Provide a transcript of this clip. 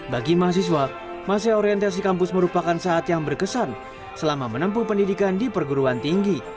bagi mahasiswa masa orientasi kampus merupakan saat yang berkesan selama menempuh pendidikan di perguruan tinggi